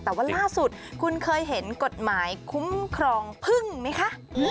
แต่ว่าล่าสุดคุณเคยเห็นกฎหมายคุ้มครองพึ่งไหมคะ